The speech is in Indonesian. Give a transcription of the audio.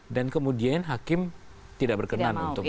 dan kemudian hakim tidak berkenan untuk penghubungannya